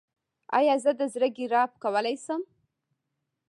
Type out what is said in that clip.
ایا زه د زړه ګراف کولی شم؟